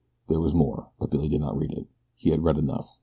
There was more, but Billy did not read it. He had read enough.